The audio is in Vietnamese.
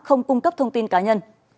không cung cấp thông tin cá nhân